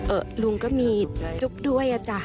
ลุงก็มีจุ๊บด้วยอ่ะจ้ะ